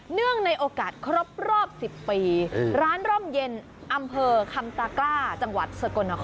เนื่องในโอกาสครบรอบ๑๐ปีร้านร่มเย็นอำเภอคำตากล้าจังหวัดสกลนคร